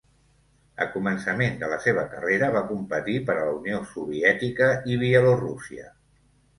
A començaments de la seva carrera, va competir per a la Unió Soviètica i Bielorússia.